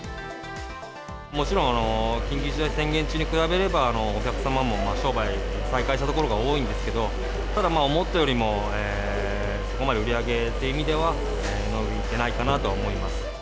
もちろん、緊急事態宣言中に比べれば、お客様も商売再開した所が多いんですけど、ただ、思ったよりも、そこまで売り上げという意味では伸びてないかなと思います。